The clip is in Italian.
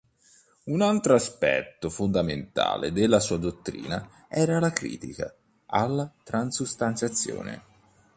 Un altro aspetto fondamentale della sua dottrina era la critica alla transustanziazione.